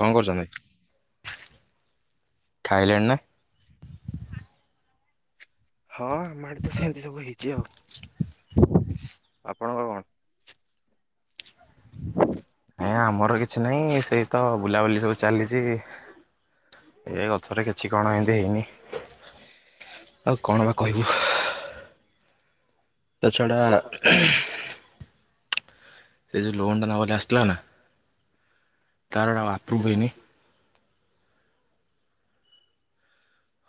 କଣ କରୁଛନ୍ତି? ଖାଇଲେଣି ନା? ହଁ ଆମ ଆଡ଼େ ତ ସେମିତି ସବୁ ହେଇଛି ଆଉ ବାପ ନାଇଁ ଆମର କିଛି ନାହିଁ ସେଇ ତ ବୁଲାବୁଲି ସବୁ ଚାଲିଛି। ଏ ଗଛରେ କିଛି କଣ ଏମିତି ହେଇନି ଆଉ କଣ ବା କହିବୁ। ତାଛଡ଼ା ହୁଁ। ସେ ଯୋଉ ଲୋନଟା ନବ ବୋଲି ଆସିଥିଲା ନା ତାର ଗୋଟେ ଆଉ ଆପ୍ରୁଭ୍ ହେଇନି।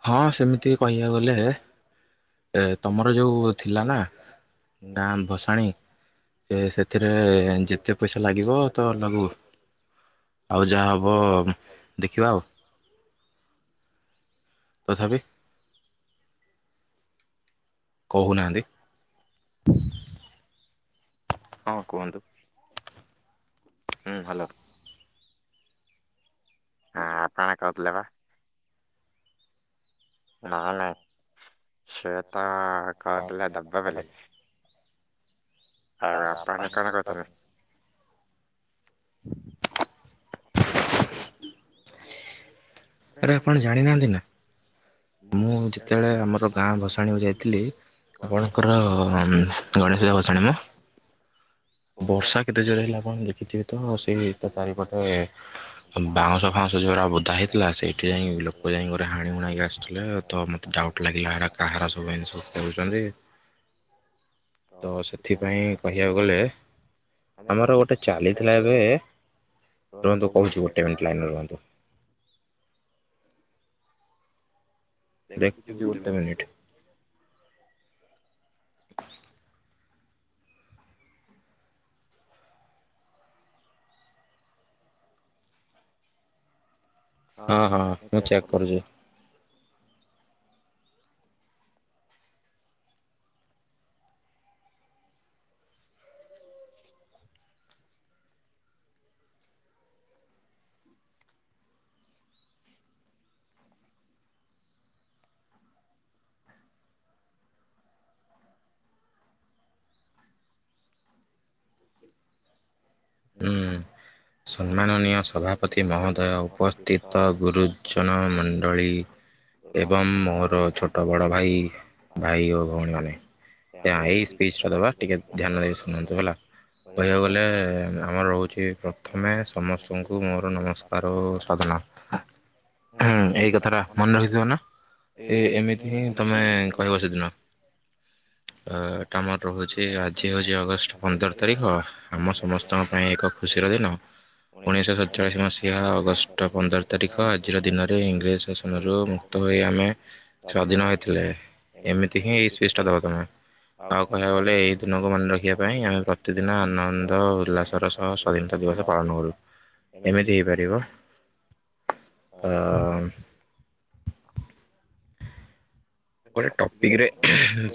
ହଁ ସେମିତି କହିବାକୁ ଗଲେ ଏ ତମର ଯୋଉ ଥିଲା ନା ଗାଁ ଭସାଣି। ସେ ସେଥିରେ ଯେତେ ପଇସା ଲାଗିବ ତ ଲବୁ। ଆଉ ଯାହା ହବ ଦେଖିବା ଆଉ। ତଥାପି କହୁ ନାହାନ୍ତି। ହଁ କୁହନ୍ତୁ। ହଁ ଭଲ। ହଁ ଆପଣ କହୁଥିଲେ ବା। ନାନା ସେତ କହୁଥିଲା ଦବ ବୋଲି। ଆଉ ଆପଣ କଣ କରୁଛନ୍ତି? ଆରେ ଆପଣ ଜାଣିନାହାନ୍ତି ନା ମୁଁ ଯେତେବେଳେ ଆମର ଗାଁ ଭସାଣିକୁ ଯାଇଥିଲି ଆପଣଙ୍କର ଗଣେଶଙ୍କ ଭଷାଣି ପା। [unintelligible] ବର୍ଷା କେଡେ ଜୋରେ ହେଲା ଆପଣ ଦେଖିଥିବେ ତ ସେଇ ତା ତାରିପଟେ ବାଉଁଶ ଫାଉଁଶ ଯୋଉଟା ବୋଦା ହେଇଥିଲା। ଆ ସେଇଠି ଯାଇ ଲୋକ ଯାଇ ଗୋଟେ ହାଣି ହୁଣକି ଆସୁଥିଲେ ତ ମତେ ଡାଉଟ୍ ଲାଗିଲା ହେରା କାହାର ସେମାନେ ସବୁ କହୁଛନ୍ତି। [inaudible] ତ ସେଥିପାଇଁ କହିବାକୁ ଗଲେ ଆମର ଗୋଟେ ଚାଲିଥିଲା ଏବେ ରୁହନ୍ତୁ କହୁଛି ଗୋଟେ ମିଣ୍ଟ ଲାଇନ ରେ ରୁହନ୍ତୁ। ଦେଖୁଚି ଗୋଟେ ମିନିଟ। [inaudible] ହଁ ହଁ ମୁଁ ଚେକ୍ କରୁଛି। [inaudible] ସମ୍ମାନନୀୟ ସଭାପତି ମହୋଦୟ ଉପସ୍ଥିତ ଗୁରୁଜନ ମଣ୍ଡଳୀ ଏବଂ ମୋର ଛୋଟ ବଡ଼ ଭାଇ ଭାଇ ଓ ଭଉଣୀମାନେ। ଏଇ ସ୍ପିଚ ଟା ଦବା ଟିକେ ଧ୍ୟାନ ଦେଇ ଶୁଣନ୍ତୁ ହେଲା କହିବାକୁ ଗଲେ ଆମର ରହୁଛି ପ୍ରଥମେ ସମସ୍ତଙ୍କୁ ମୋର ନମସ୍କାର ଓ ସାଧନା। ହଁ ଏଇ କଥାଟା ମନେ ରଖିଥିବ ନା। ଏ ଏମିତି ହିଁ ତମେ କହିବ ସେଦିନ। ଏଟା ଆମର ରହୁଛି ଆଜି ହଉଚି ଅଗଷ୍ଟ ପନ୍ଦର ତାରିଖ ଅ ଆମର ସମସ୍ତଙ୍କ ପାଇଁ ଏକ ଖୁସିର ଦିନ। ଉଣେଇଶହ ସଡଚାଳିଶି ମସିହା ଅଗଷ୍ଟ ପନ୍ଦର ତାରିଖ ଆଜିର ଦିନରେ ଇଂରେଜ ଶାସନରୁ ତ ଏଇ ଆମେ ସ୍ୱାଧୀନ ହେଇଥିଲେ ଏମିତି ହିଁ ସ୍ପିଚ ଟା ଦବ ତୁମେ। ଆଉ କହିବାକୁ ଗଲେ ଏଇ ଦିନକୁ ମନେ ରଖିବା ପାଇଁ ଆମେ ପ୍ରତିଦିନ ଆନନ୍ଦ ଉଲ୍ଲାସ ସହ ସ୍ୱାଧୀନତା ଦିବସ ପାଳନ କରୁ ଏମିତି ହେଇ ପାରିବ। ହ। [inaudible] ଗୋଟେ ଟପିକରେ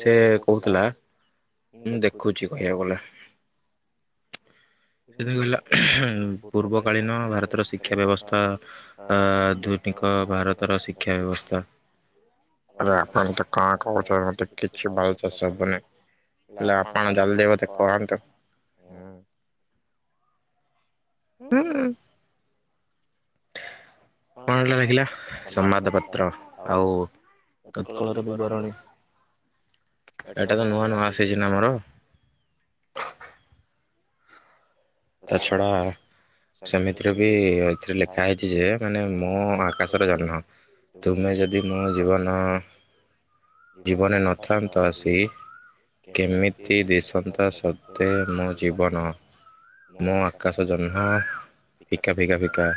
ସେ କହୁଥିଲା ମୁଁ ଦେଖୁଛି କହିବାକୁ ଗଲେ। ସେଥି ପାଇଁ କହିଲା ପୂର୍ବ କାଳୀନ ଭାରତର ଶିକ୍ଷା ବ୍ୟବସ୍ଥା ଆଧୁନିକ ଭାରତର ଶିକ୍ଷା ବ୍ୟବସ୍ଥା। ଆରେ ଆପଣ ତ କଣ କହୁଛନ୍ତି ମତେ କିଛି ବାଳ ଚାଷ ହବନି। ହେଲେ ଆପଣ ଜଲ୍ଦି ବତେ କରନ୍ତୁ ହୁଁ [inaudible] ହିସ। କଣଟା ଲାଗିଲା ସମ୍ବାଦପତ୍ର ଆଉ। ତତ୍କଳର ବିବରଣି ଏଟା ତ ନୂଆ ନୂଆ ଆସିଚି ନା ଆମର। ଛାଡ଼। ସେମିତିରେ ବି ଏଥିରେ ଲେଖା ହେଇଚି ଯେ ମାନେ ମୁଁ ଆକାଶର ଜହ୍ନ ନୁହଁ। ତୁମେ ଯଦି ମୋ ଜୀବନ ଜୀବନରେ ନଥାନ୍ତ ଆସି କେମିତି ଦିଶନ୍ତା ସତେ ମୋ ଜୀବନ। ମୋ ଆକାଶ ଜହ୍ନ ଫିକା ଫିକା ଫିକା।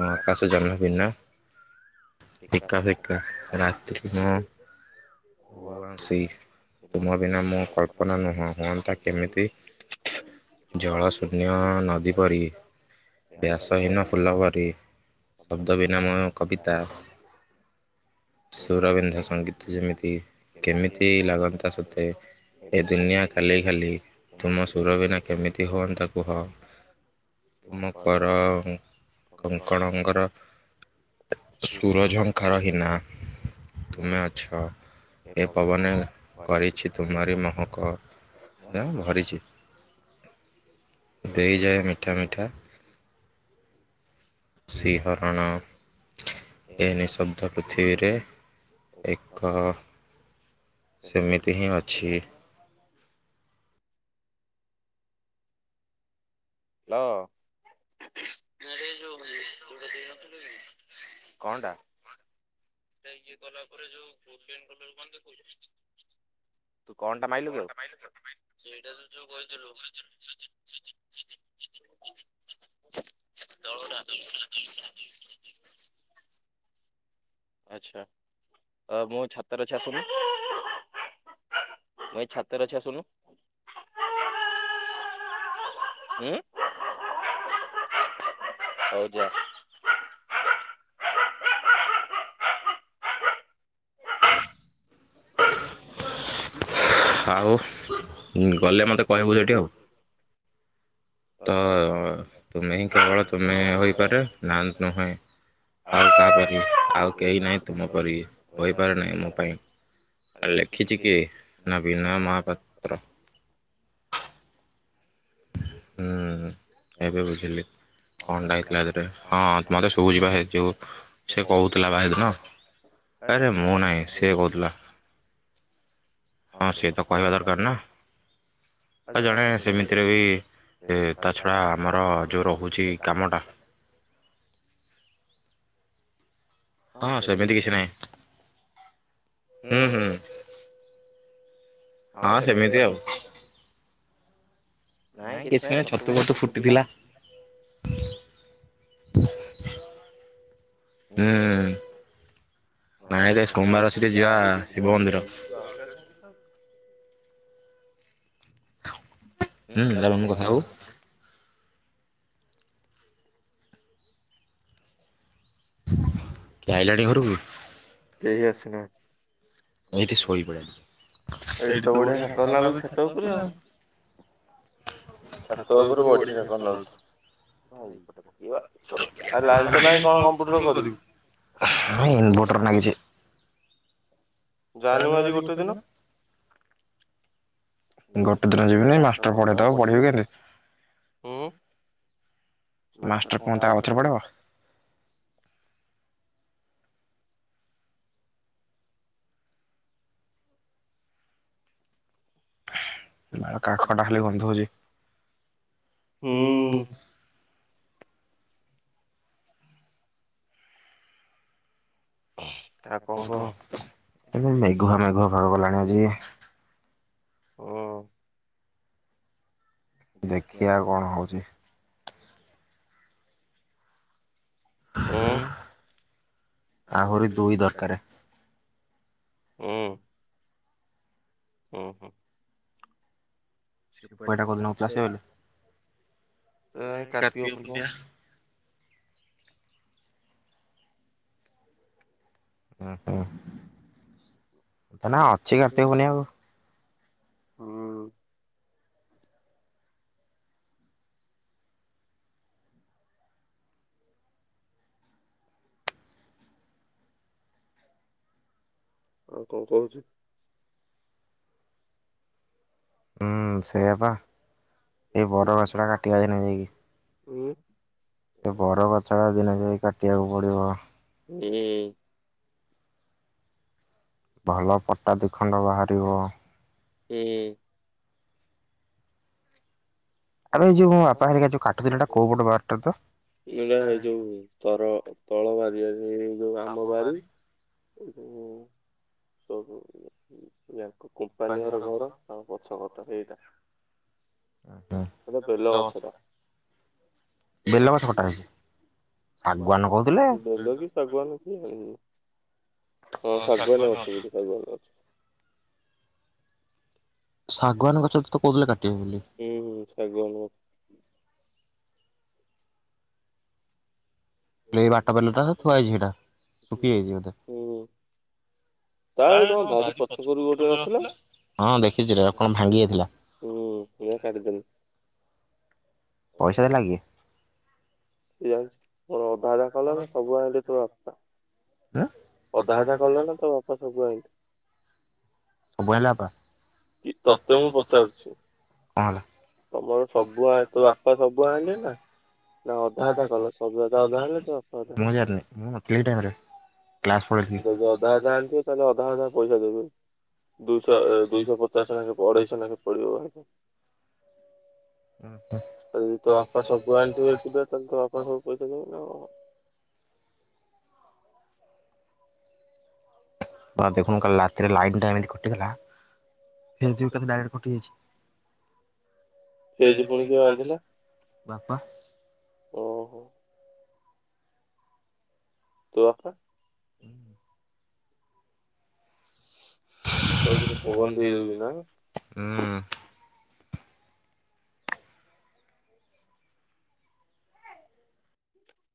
ମୋ ଆକାଶ ଜହ୍ନ ବିନା ଫିକା ଫିକା ରାତି ମୁଁ ଉଆଁସୀ ତୁମ ବିନା ମୋ କଳ୍ପନା ନୁହଁ ହୁଅନ୍ତା କେମିତି ଜଳ ଶୂନ୍ୟ ନଦୀ ପରି। ବ୍ୟାସହୀନ ଫୁଲ ପରି ଶବ୍ଦ ବିନା ମୋ କବିତା। ସୁରବିନ୍ଧା ସଙ୍ଗୀତ ଯେମିତି କେମିତି ଲାଗନ୍ତା ସତେ ଏ ଦୁନିଆ ଖାଲି ଖାଲି ତୁମ ସୁର ବିନା କେମିତି ହୁଅନ୍ତା କୁହ? ତୁମକର ଆଉ ହୁଁ କଙ୍କଣଙ୍କର ସୁରଝଙ୍କାର ହିନା ତୁମେ ଅଛ ଏ ପବନେ କରିଛି ତୁମରି ମହକ। ମହଙ୍ଗ ଭରିଛି ଦେଇଯାଏ ମିଠା ମିଠା ଶିହରଣ। ଏ ନିଶବ୍ଦ ପୃଥିବୀରେ ଏକ ସେମିତି ହିଁ ଅଛି। ଲ [unintelligible] କଣ ଟା? ସେ ଇଏ ଗଲା ପରେ ଯୋଉ ଗୋଲଡେନ କଲର କଣ ଦେଖଉଚୁ? ତୁ କଣ ଟା ମାଇଲୁ କି ଆଉ? ସେଇଟା ତୁ ଯୋଉ କହିଥିଲୁ କହିଥିଲୁ। [inaudible] ଆଚ୍ଛା ଅ ମୁଁ ଛାତରେ ଅଛି ଆସୁନୁ। ମୁଁ ଏଇ ଛାତରେ ଅଛି ଆସୁନୁ। ଉଁ। ହଉ ଯା। ଆଉ ଗଲେ ମତେ କହିବୁ ସେଠି ଆଉ। ତ ତୁମେ ହିଁ କେବଳ ତୁମେ ହୋଇପାରେ ନାଅନ୍ତ ନୁହେଁ। ଆଉ କାହା ପରି ଆଉ କେହି ନାହିଁ ତୁମ ପରି ହୋଇପାରେ ନାହିଁ ମୋ ପାଇଁ ଆରେ ଲେଖିଛି କିଏ? ନବୀନ ମହାପାତ୍ର। ହୁଁ ଏବେ ବୁଝିଲି। କଣଟା ହେଇଥିଲା ହେଥିରେ ହଁ ମତ ମତେ ଶୁଭୁଚି ବା ହେ ଯୋଉ ସେ କହୁଥିଲା ବା ହେଦିନ। ଆରେ ମୁଁ ନାଇଁ ସେ କହୁଥିଲା। ହ ହଁ ସିଏ ତ କହିବା ଦରକାର ନା ଆଉ ଜଣେ ସେମି ଥିରେ ବି ତା ଛଡ଼ା ଆମର ଯୋଉ ରହୁଛି କାମଟା ହଁ ସେମିତି କିଛି ନାହିଁ ହୁଁ ହୁଁ। ହଁ ସେମିତି ଆଉ। ନାଇଁ କିଛି ନାଇଁ ଛତୁ ଫତୁ ଫୁଟିଥିଲା। [unintelligible] ହୁଁ ନାଇଁ ତ ସୋମବାର ସେଠି ଯିବା ଶିବ ମନ୍ଦିର। [inaudible] ହୁଁ [inaudible] କଥା ହଉ [inaudible] [inaudible] ଏଇଠି ତ ବଢିଆ କାକର ଲାଗୁଛି ଛାତ ଉପରେ ଆଉ। ଛାତ ଉପରୁ ବଢିଆ [inaudible] [inaudible] ଲାଇନ୍ ତ ନାହିଁ କଣ କମ୍ପ୍ୟୁଟର କରିବୁ? ହଁ ଇନଭୋଟର ଲାଗିଛି। ଜାନି ମୋ ଆଜି ଗୋଟେ ଦିନ। ଗୋଟେ ଦିନ ଯିବିନି ମାଷ୍ଟର ପଢେଇ ଦବ ପଢେଇିବ କେମିତି? ମାଷ୍ଟର କୁହନ୍ତା ଆଉଥରେ ପଢେଇବ? ବାଳ କାଖ ଟା ଖାଲି ଗନ୍ଧ ହଉଛି ହୁଁ। ତା କଣ କହ [inaudible] ହୁଁ। ଦେଖିବା କଣ ହେଉଛି? ଉଁ ଆହୁରି ଦୁଇ [inaudible] ହୁଁ। ଓଁ ହୋ। [inaudible] [unintelligible] ହୁଁ ହୁଁ ନା ଅଛି କତିକ ପୂର୍ଣିମା କୁ ହଁ ଆଉ କଣ କହୁଛି? ହୁଁ ସେଇଆପା ଏଇ ବଡ଼ ଗଛଟା କାଟିବା ଦିନି ଯାଇକି। ହୁଁ। ସେ ବର ଗଛ ଟା ଦିନ ଯାଇ କାଟିବାକୁ ପଡିବ। [inaudible] ଭଲ ପଟା ଦି ଖଣ୍ଡ ବାହାରିବ। [inaudible] [unintelligible] ତର ତଳ ବାରିଆ ଯୋଉ ଆମ ବାରି ଏ ସବୁ ଯାଙ୍କ କମ୍ପାନୀର ଘର ଆଉ ପଛ ଘଟ ଏଇଟା। [inaudible] [inaudible] ଶାଗୁଆନ କି ହଁ ଶାଗୁଆନ ଗଛ ବଧେ ଶାଗୁଆନ ଗଛ। ଶାଗୁଆନ ଗଛ ତତେ କଉଦଲେ କାଟିବେ ବୋଲି। ହୁଁ ହୁଁ ଶାଗୁଆନ। [inaudible] ଥୁଆଯଇଛି ସେଇଟା ଶୁଖି ଯାଇଛି [inaudible] ଭାଇ ତମ ବାରି ପଛକରୁ ଗୋଟେ ନଥିଲା? ହୁଁ ଥିଲା କରିଦେଲୁ। ପଇସା ଦେଲା କିଏ? [inaudible] [unintelligible] ସବୁ ଆଇ [unintelligible] କି ତତେ ମୁଁ ପଚାରୁଛି। ତମର ସବୁ ଆ ତୋ ବାପା ସବୁ ଆଣିଲେ ନା ନା [unintelligible] କଲ୍ ସବୁ ଅଧା ଅଧା ଆଣିଲେ ତୋ ବାପା ଅଧା ଆଣିଲେ। [unintelligible] ଯଦି ଅଧା ଅଧା ଆଣିଥିବେ ତାହେଲେ ଅଧା ଅଧା ପଇସା ଦେବେ। ଦୁଇଶହ ଦୁଇଶହ ପଚାଶ ନେଖା ଅଢେଇଶହ ନେଖା ପଡିବ। [unintelligible] ଯଦି ତୋ ବାପା ସବୁ ଆଣିଥିବ ଏକୁଟିଆ ତାହେଲେ ତୋ ବାପା ସବୁ ପଇସା ଦେବନି ଆଉ। ବା ଦେଖୁନୁ କାଲି ଲାତିରେ ଲାଇନ୍ ଟା ଏମିତି କଟିଗଲା। ଫେସବୁ କାଲି ଡାଇରେକ୍ଟ କଟିଯାଇଛି ସେ ଆଜି ପୁଣି କିଏ ବାହାରିଥିଲା? ବାପା। ଓହୋ। ତୋ ବାପା ହୁଁ। ପବନ ଟିକେ ଦଉଚି ନା। ହୁଁ। [inaudible]